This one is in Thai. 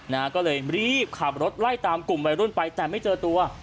นะฮะก็เลยรีบขับรถไล่ตามกลุ่มวัยรุ่นไปแต่ไม่เจอตัว